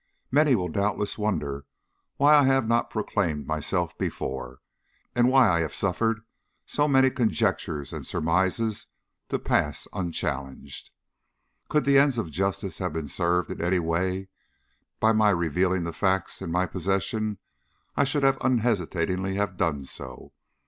Many will doubtless wonder why I have not proclaimed myself before, and why I have suffered so many conjectures and surmises to pass unchallenged. Could the ends of justice have been served in any way by my revealing the facts in my possession I should unhesitatingly have done so.